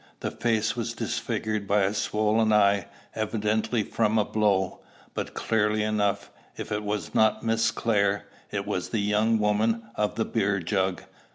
The face was disfigured by a swollen eye, evidently from a blow; but clearly enough, if it was not Miss Clare, it was the young woman of the beer jug.